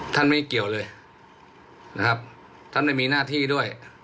ท่านไม่เกี่ยวเลยนะครับท่านไม่มีหน้าที่ด้วย